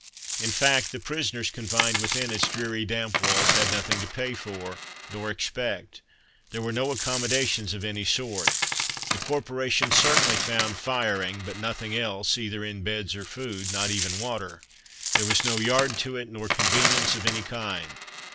In fact, the prisoners confined within its dreary, damp walls had nothing to pay for, nor expect. There were no accommodations of any sort. The corporation certainly found "firing," but nothing else, either in beds or food, not even water. There was no yard to it, nor convenience of any kind.